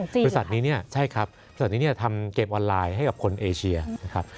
ของจีนหรือครับใช่ครับผู้สัตว์นี้ทำเกมออนไลน์ให้กับคนเอเชียนะครับ